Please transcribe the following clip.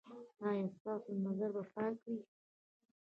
ایا ستاسو نظر به پاک وي؟